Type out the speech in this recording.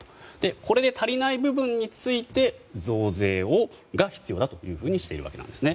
これで足りない部分について増税が必要としているわけです。